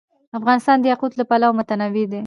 افغانستان د یاقوت له پلوه متنوع دی.